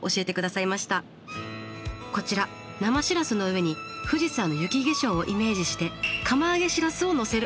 こちら生シラスの上に富士山の雪化粧をイメージして釜揚げシラスをのせる！